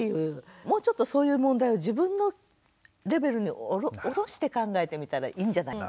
もうちょっとそういう問題を自分のレベルに下ろして考えてみたらいいんじゃない？